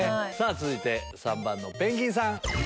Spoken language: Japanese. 続いて３番のペンギンさん。